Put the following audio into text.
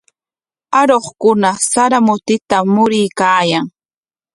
Aruqkuna sara mutitam mikuykaayan.